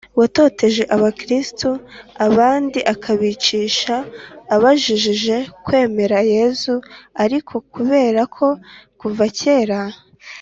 watoteje abakristu, abandi akabicisha abajijije kwemera yezu, ariko kubera ko kuva kera